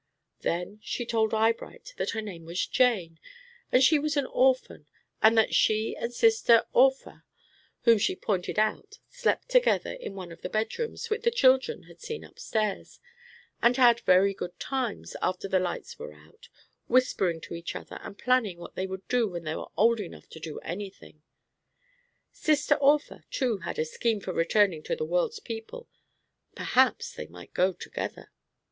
Then she told Eyebright that her name was Jane, and she was an orphan, and that she and sister Orphah, whom she pointed out, slept together in one of the bedrooms which the children had seen upstairs, and had very "good times" after the lights were out, whispering to each other and planning what they would do when they were old enough to do any thing. Sister Orphah, too, had a scheme for returning to the world's people perhaps they might go together.